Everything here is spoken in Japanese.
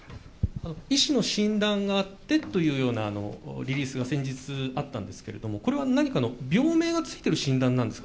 医師の診断があってというようなリリースが先日あったんですけれども、これは何かの病名が付いてる診断なんですか。